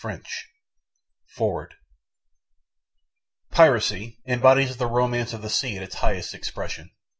FOREWORD Piracy embodies the romance of the sea at its highest expression.